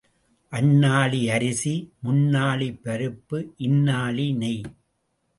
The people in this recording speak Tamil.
அந்நாழி அரிசி, முந்நாழிப் பருப்பு, இருநாழி நெய்.